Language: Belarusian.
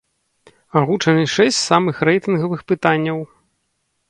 Агучаны шэсць самых рэйтынгавых пытанняў.